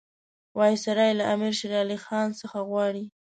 وایسرا له امیر شېر علي خان څخه غواړي.